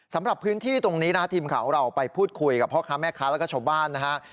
สำหรับพื้นที่ตรงนี้นะฮะทีมข่าวของเราไปพูดคุยกับพ่อค้าแม่ค้าแล้วก็ชาวบ้านนะฮะ